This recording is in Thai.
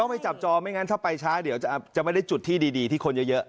ไม่จับจอไม่งั้นถ้าไปช้าเดี๋ยวจะไม่ได้จุดที่ดีที่คนเยอะ